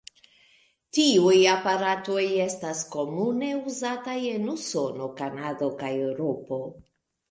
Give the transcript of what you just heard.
Tiuj aparatoj estas komune uzataj en Usono, Kanado kaj Eŭropo.